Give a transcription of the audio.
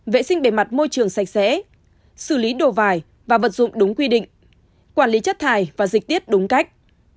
vệ sinh bề mặt môi trường sạch sẽ xử lý đồ vải và vật dụng đúng quy định quản lý chất thải và dịch tiết đúng cách